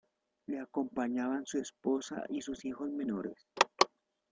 Le acompañaban su esposa y sus hijos menores.